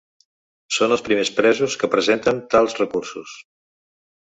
Són els primers presos que presenten tals recursos.